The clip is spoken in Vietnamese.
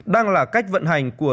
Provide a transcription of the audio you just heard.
đang là cách vận hành của